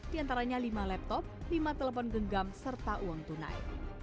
di antaranya lima laptop lima telepon genggam serta uang tunai